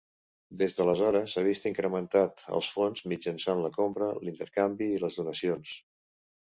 Des d'aleshores ha vist incrementat els fons mitjançant la compra, l'intercanvi i les donacions.